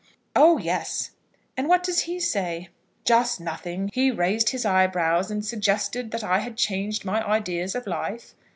"Oh, yes!" "And what does he say?" "Just nothing. He raised his eyebrows, and suggested 'that I had changed my ideas of life.'